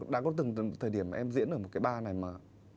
đã có từng thời điểm em diễn ở một cái bar này mà